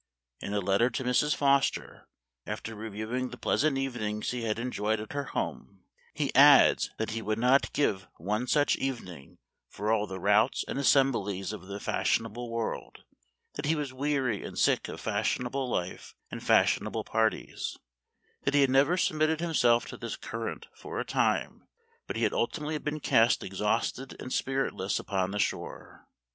In a letter to Mrs. Foster, after reviewing the pleas ant evenings he had enjoyed at her home, he adds that he would not give one such evening for all the routs and assemblies of the fashion able world ; that he was weary and sick of fash ionable life and fashionable parties ; that he Memoir of Washington Irving. 125 had never submitted himself to this current for a time but he had ultimately been cast ex hausted and spiritless upon the shore.